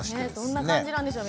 どんな感じなんでしょう？